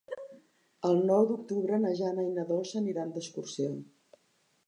El nou d'octubre na Jana i na Dolça aniran d'excursió.